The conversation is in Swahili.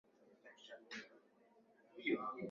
uchukua dhamana kuongoza serikali ya umoja wa kitaifa